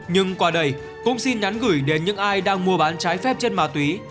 nhưng qua đây cũng xin nhắn gửi đến những ai đang mua bán trái phép chất ma túy